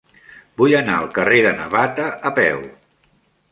Vull anar al carrer de Navata a peu.